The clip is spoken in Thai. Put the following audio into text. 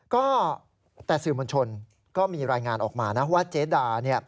ก็แต่สื่อมวลชนก็มีรายงานออกมานะว่าเจดา